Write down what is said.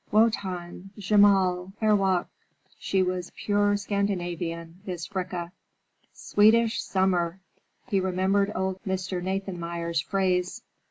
"Wotan! Gemahl! erwache!" She was pure Scandinavian, this Fricka: "Swedish summer"! he remembered old Mr. Nathanmeyer's phrase.